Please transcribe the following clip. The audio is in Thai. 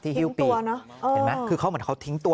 ที่ฮิวปีกเขาเหมือนเขาทิ้งตัว